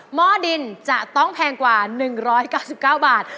หม้อดินจะต้องแพงกว่า๑๙๙บาท